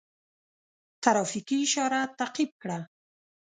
ترافیکي اشاره تعقیب کړه.